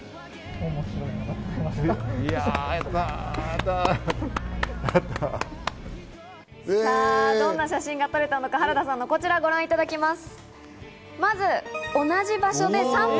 さあ、どんな写真が撮れたのか、原田さんの写真、こちらご覧いただきます。